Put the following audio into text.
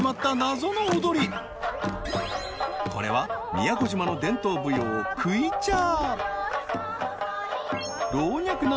これは宮古島の伝統舞踊クイチャー